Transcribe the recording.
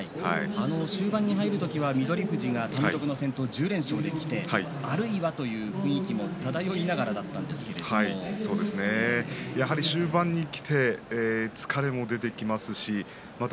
終盤に入る時は翠富士が単独の先頭１０連勝できて、あるいはという雰囲気もやはり終盤にきて疲れも出てきますしまた